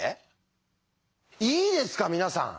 いいですか皆さん